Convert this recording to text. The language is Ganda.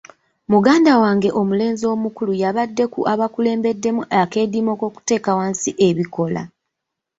Muganda wange omulenzi omukulu yabadde ku abaakulembeddemu akeediimo k'okuteeka wansi ebikola.